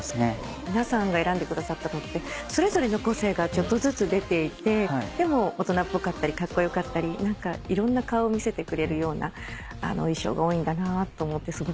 皆さんが選んでくださったのってそれぞれの個性がちょっとずつ出ていてでも大人っぽかったりカッコ良かったり何かいろんな顔を見せてくれるような衣装が多いんだなと思ってすごくすてきですね。